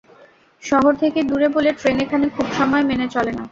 শহর থেকে দূরে বলে ট্রেন এখানে খুব সময় মেনে চলে না।